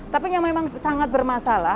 tapi yang memang sangat bermasalah